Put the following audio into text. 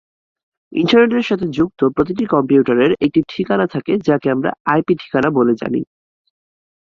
ইন্টারনেটের সাথে যুক্ত প্রতিটি কম্পিউটারের একটি ঠিকানা থাকে; যাকে আমরা আইপি ঠিকানা বলে জানি।